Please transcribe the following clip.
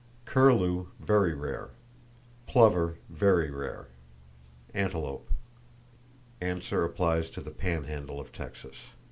Curlew, very rare; plover, very rare; antelope. (Answer applies to the Panhandle of Texas.